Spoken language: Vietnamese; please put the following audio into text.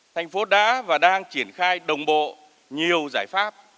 thành phố đã và đang triển khai đồng bộ nhiều giải pháp